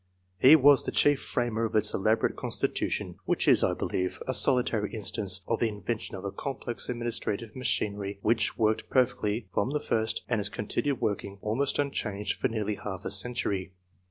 He was the chief framer of its elaborate constitution, which is, I believe, a solitary instance of the in vention of a complex administrative machinery which worked perfectly from the first, and has continued working, almost unchanged, for nearly half a century.